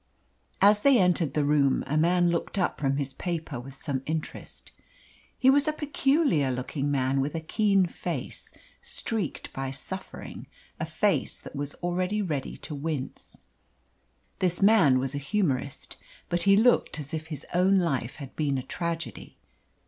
As they entered the room a man looked up from his paper with some interest. He was a peculiar looking man, with a keen face, streaked by suffering a face that was always ready to wince. This man was a humorist, but he looked as if his own life had been a tragedy.